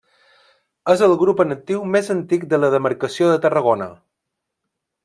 És el grup en actiu més antic de la demarcació de Tarragona.